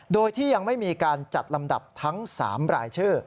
โดยที่ยังไม่มีการจัดลำดับทั้ง๓รายชื่อ